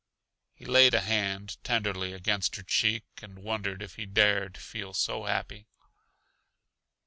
He laid a hand tenderly against her cheek and wondered if he dared feel so happy.